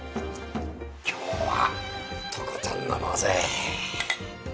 今日はとことん飲もうぜ！